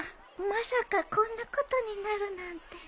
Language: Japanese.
まさかこんなことになるなんて。